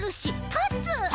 たつ！